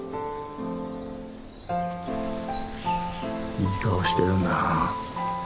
いい顔してるな。